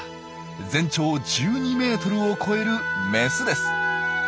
全長１２ｍを超えるメスです。